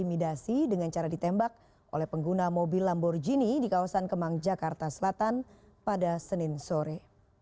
intimidasi dengan cara ditembak oleh pengguna mobil lamborghini di kawasan kemang jakarta selatan pada senin sore